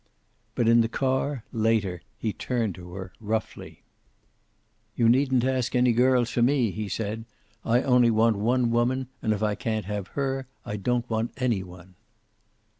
But in the car, later, he turned to her, roughly. "You needn't ask any girls for me," he said. "I only want one woman, and if I can't have her I don't want any one."